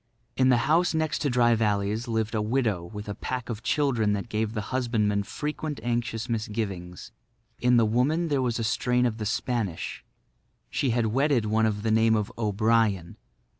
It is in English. In the house next to Dry Valley's lived a widow with a pack of children that gave the husbandman frequent anxious misgivings. In the woman there was a strain of the Spanish. She had wedded one of the name of O'Brien.